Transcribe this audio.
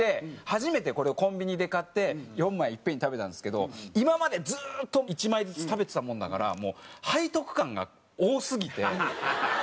初めてこれをコンビニで買って４枚一遍に食べたんですけど今までずーっと１枚ずつ食べてたもんだから背徳感が多すぎて。